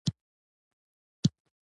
هلته د ډمپینګ له سیاسته کار اخلي.